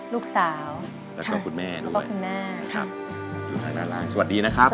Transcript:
ลูกสาวแล้วก็คุณแม่ด้วยแล้วก็คุณแม่ครับสวัสดีนะครับ